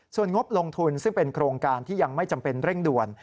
ส่วนงบลงทุนซึ่งเป็นโครงการที่ยังไม่จำเป็นเร่งด่วน